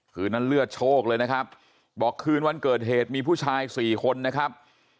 คืนนั้นเลือดโชคเลยนะครับบอกคืนวันเกิดเหตุมีผู้ชายสี่คนนะครับ